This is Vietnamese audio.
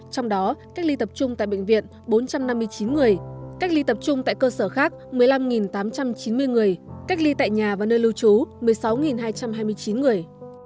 trong đó cách ly tập trung tại bệnh viện bốn trăm năm mươi chín người cách ly tập trung tại cơ sở khác một mươi năm tám trăm chín mươi người cách ly tại nhà và nơi lưu trú một mươi sáu hai trăm hai mươi chín người